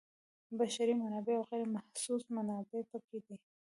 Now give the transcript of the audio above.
بشري منابع او غیر محسوس منابع پکې دي.